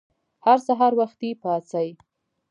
هر سهار وختي پاڅئ!